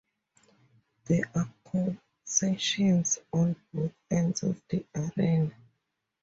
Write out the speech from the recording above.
There are concessions on both ends of the arena.